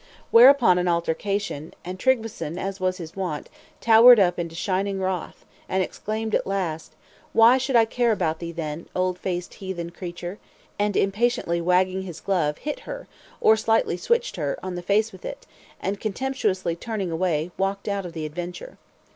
Whereupon an altercation; and Tryggveson, as was his wont, towered up into shining wrath, and exclaimed at last, "Why should I care about thee then, old faded heathen creature?" And impatiently wagging his glove, hit her, or slightly switched her, on the face with it, and contemptuously turning away, walked out of the adventure.